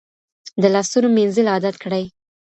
د لاسونو مینځل عادت کړئ.